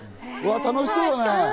楽しそうだね。